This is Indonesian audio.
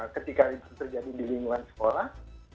ketika itu terjadi di lingkungan sekolah